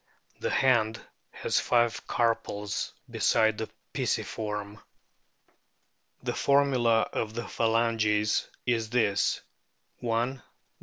The hand has five carpals besides the pisiform. The formula of the phalanges is this: I, i.